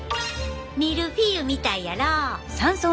ミルフィーユみたいやろ。